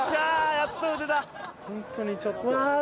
やっと打てた！